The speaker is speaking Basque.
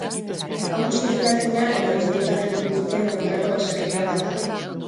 Hau justifikaezina eta bizkaitarren guztien kontrako basakeria bat da.